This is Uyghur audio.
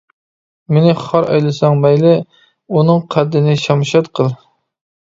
مېنى خار ئەيلىسەڭ مەيلى، ئۇنىڭ قەددىنى شەمشاد قىل.